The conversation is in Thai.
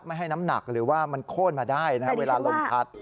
ไม่ให้น้ำหนักหรือว่ามันโค้นมาได้นะครับเวลาลมพัด